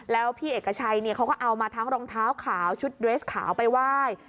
แล้วพี่เอกชัยเขาก็เอามาทั้งรองเท้าขาวชุดเรสขาวไปไหว้